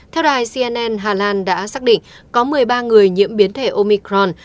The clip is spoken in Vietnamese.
theo đài cnn hà lan đã xác định có một mươi ba người nhiễm biến thể omicron